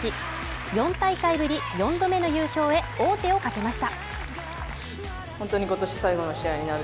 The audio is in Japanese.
４大会ぶり４度目の優勝へ王手をかけました。